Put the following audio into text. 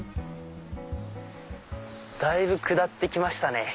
だいぶ下って来ましたね